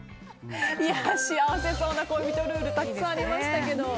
幸せそうな恋人ルールたくさんありましたけど。